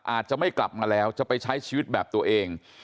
อาจจะไม่กลับมาแล้วจะไปใช้ชีวิตแบบตัวเอง